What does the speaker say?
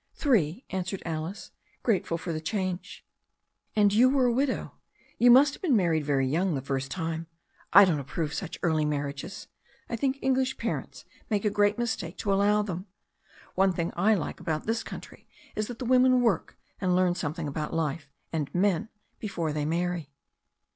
"Three," answered Alice, grateful for the change. "And you were a widow. You must have been married very young the first time. I dop't approve such early mar riages. I think English parents make a great mistake to allow them. One thing I like about this country is that the women work, and learn something about life and men before they marry."